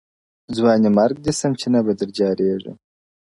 ځوانِ مرګ دي سم چي نه به در جارېږم,